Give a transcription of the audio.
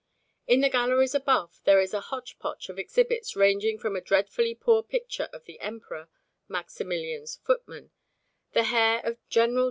In the galleries above there is a hotchpotch of exhibits ranging from a dreadfully poor picture of the Emperor Maximilian's footman, the hair of General D.